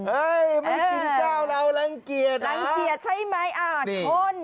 ไม่กินแก้วแล้วรังเกียจเหรอรังเกียจใช่ไหมชน